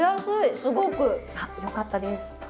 すごく。あっよかったです。